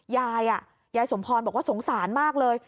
ยายยายสมพรบอกว่าสงสารมากเลย